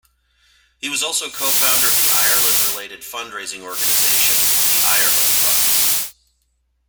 He was also co-founder of the Ireland-related fundraising organization The Ireland Funds.